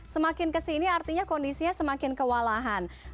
semakin kesini artinya kondisinya semakin kewalahan